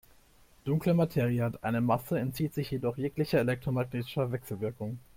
Dunkle Materie hat eine Masse, entzieht sich jedoch jeglicher elektromagnetischer Wechselwirkung.